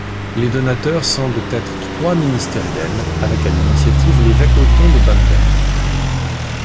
Les donateurs semblent être trois ministériels, avec à l'initiative l'évêque Othon de Bamberg.